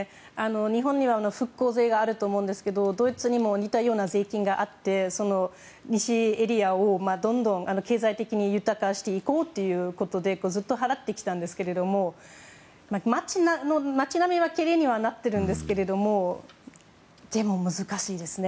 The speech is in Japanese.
日本には復興税があると思うんですけどドイツにも似たような税金があって西エリアをどんどん経済的に豊かにしていこうということでずっと払ってきたんですけれども街並みはきれいにはなってるんですけど難しいですね。